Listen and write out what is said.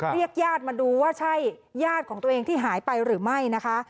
เรียกญาติมาดูว่าใช่ญาติของตัวเองที่หายไปหรือไม่นะคะ